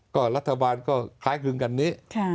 ก็รัฐบาลก็คล้ายคลึงกันนี้